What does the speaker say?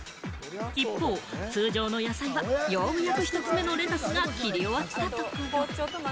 一方、通常の野菜はようやく１つ目のレタスが切り終わったところ。